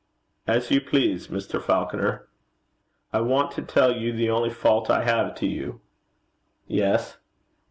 'As you please, Mr. Falconer.' 'I want to tell you the only fault I have to you.' 'Yes?'